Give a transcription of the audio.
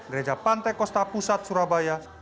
gereja pantai kosta pusat surabaya